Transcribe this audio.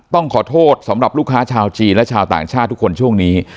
ต้องขอโทษสำหรับลูกค้าชาวจีนและชาวต่างชาติทุกคนช่วงนี้